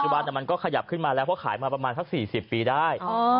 ตอนนี้ก็ขาอย่าไปไปแล้วเพราะขายกี่ปีได้